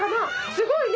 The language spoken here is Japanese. すごいね。